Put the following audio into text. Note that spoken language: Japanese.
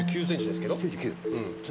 ９９ｃｍですけど。